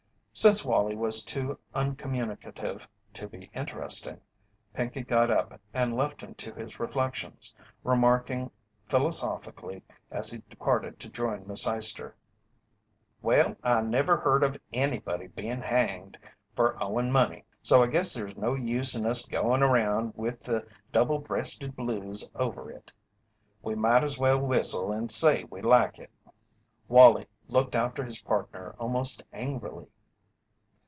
Since Wallie was too uncommunicative to be interesting, Pinkey got up and left him to his reflections, remarking philosophically as he departed to join Miss Eyester: "Well, I never heard of anybody bein' hanged for owin' money, so I guess there's no use in us goin' around with the double breasted blues over it. We might as well whistle and say we like it." Wallie looked after his partner almost angrily.